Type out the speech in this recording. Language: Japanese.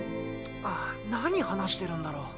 あ何話してるんだろ？